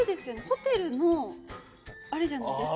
ホテルのあれじゃないですか？